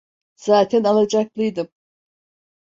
Zaten alacaklıydım.